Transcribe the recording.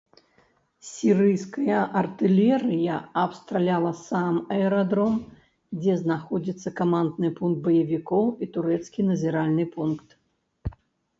Сірыйская артылерыя абстраляла сам аэрадром, дзе знаходзіцца камандны пункт баевікоў і турэцкі назіральны пункт.